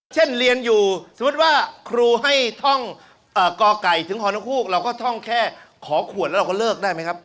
เช่นเรียนอยู่สมมุติว่าครูให้ท่องกไก่ถึงฮนกฮูกเราก็ท่องแค่ขอขวดแล้วเราก็เลิกได้ไหมครับ